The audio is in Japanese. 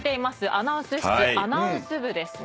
アナウンス室アナウンス部ですね。